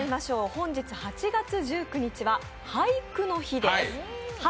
本日８月１９日は俳句の日です